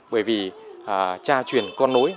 bởi vì cha truyền con nối